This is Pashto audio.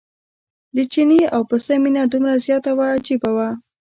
د چیني او پسه مینه دومره زیاته وه عجیبه وه.